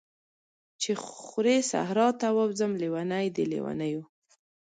چی خوری صحرا ته ووځم، لیونۍ د لیونیو